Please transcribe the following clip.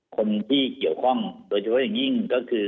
คนที่เกี่ยวข้องโดยเฉพาะอย่างยิ่งก็คือ